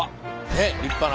ねっ立派な。